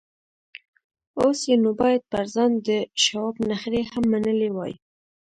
اوس یې نو باید پر ځان د شواب نخرې هم منلې وای